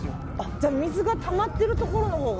じゃあ水がたまっているところのほうが。